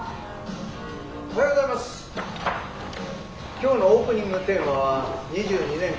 今日のオープニングテーマは。